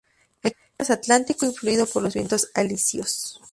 El clima es atlántico, influido por los vientos alisios.